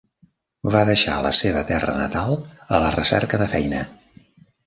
Va deixar la seva terra natal a la recerca de feina.